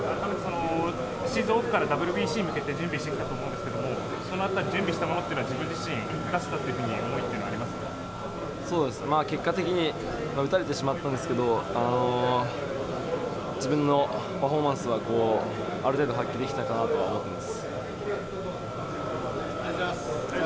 シーズンオフからＷＢＣに向けて準備してきたと思うんですけど、そのあたり、準備したものっていうのは自分自身生かせたとい結果的に打たれてしまったんですけど、自分のパフォーマンスはある程度発揮できたかなと思っありがとうございます。